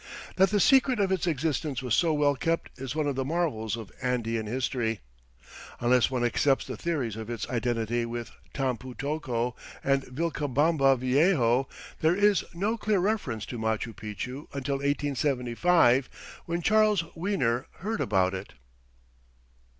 That the secret of its existence was so well kept is one of the marvels of Andean history. Unless one accepts the theories of its identity with "Tampu tocco" and "Vilcabamba Viejo," there is no clear reference to Machu Picchu until 1875, when Charles Wiener heard about it.